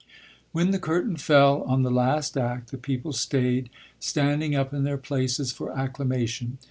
When the curtain fell on the last act the people stayed, standing up in their places for acclamation.